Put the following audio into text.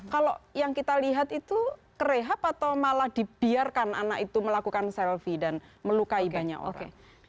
kalau yang kita lihat itu kerehab atau malah dibiarkan anak itu melakukan selfie dan melukai banyak orang